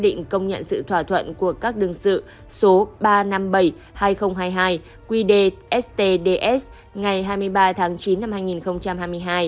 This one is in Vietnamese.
họ định công nhận sự thỏa thuận của các đường sự số ba trăm năm mươi bảy hai nghìn hai mươi hai quy đề stds ngày hai mươi ba tháng chín năm hai nghìn hai mươi hai